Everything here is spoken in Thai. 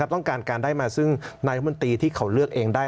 ต้องการการได้มาซึ่งนายมนตรีที่เขาเลือกเองได้